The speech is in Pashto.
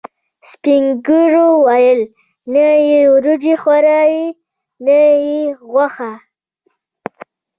سپینږیرو ویل: نه یې وریجې خوړاوې، نه یې غوښه.